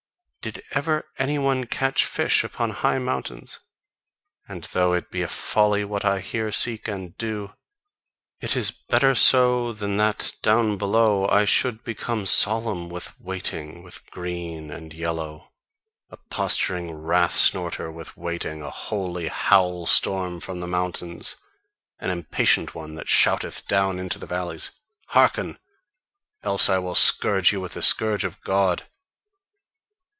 Did ever any one catch fish upon high mountains? And though it be a folly what I here seek and do, it is better so than that down below I should become solemn with waiting, and green and yellow A posturing wrath snorter with waiting, a holy howl storm from the mountains, an impatient one that shouteth down into the valleys: "Hearken, else I will scourge you with the scourge of God!"